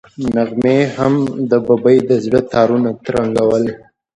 نغمې هم د ببۍ د زړه تارونه ترنګول.